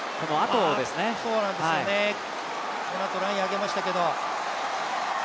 このあとライン上げましたけど。